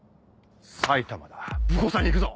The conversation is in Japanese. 埼玉だ武甲山に行くぞ！